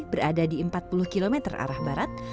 berada di empat puluh km arah barat